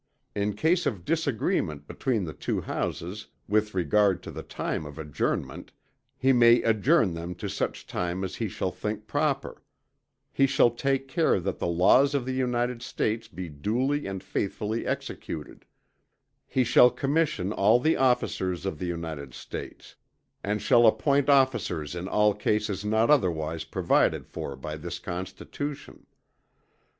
In case of disagreement between the two Houses, with regard to the time of adjournment, he may adjourn them to such time as he shall think proper: he shall take care that the laws of the United States be duly and faithfully executed: he shall commission all the officers of the United States; and shall appoint officers in all cases not otherwise provided for by this Constitution.